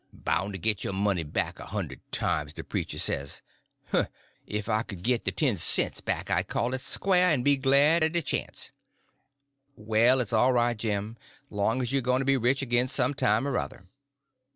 Boun' to git yo' money back a hund'd times, de preacher says! Ef I could git de ten cents back, I'd call it squah, en be glad er de chanst." "Well, it's all right anyway, Jim, long as you're going to be rich again some time or other."